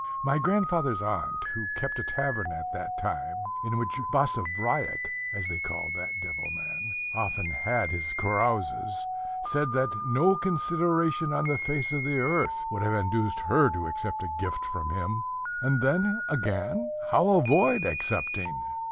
My grandfather's aunt, who kept a tavern at that time, in which Basavriuk (as they called that devil man) often had his carouses, said that no consideration on the face of the earth would have induced her to accept a gift from him. And then, again, how avoid accepting?